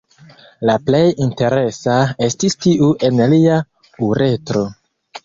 La plej interesa estis tiu en lia uretro.